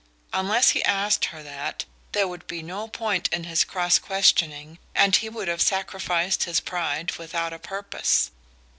Unless he asked her that there would be no point in his cross questioning, and he would have sacrificed his pride without a purpose.